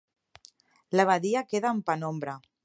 La badia queda en penombra.